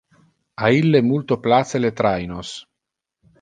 A ille multo place le trainos.